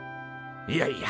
いやいや。